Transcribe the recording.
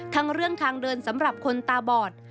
ทั้งเรื่องทางเดินสำหรับคนตาบอด